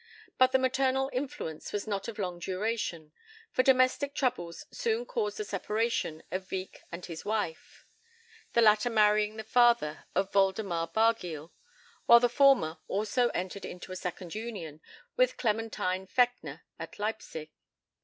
But the maternal influence was not of long duration, for domestic troubles soon caused the separation of Wieck and his wife, the latter marrying the father of Woldemar Bargiel, while the former also entered into a second union, with Clementine Fechner at Leipsic.